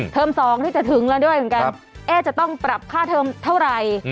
๒นี่จะถึงแล้วด้วยเหมือนกันจะต้องปรับค่าเทอมเท่าไหร่